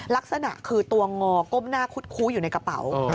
ลักษณะคือตัวงอก้มหน้าคุดคู้อยู่ในกระเป๋า